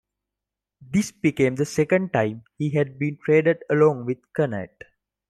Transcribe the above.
This became the second time he had been traded along with Kunnert.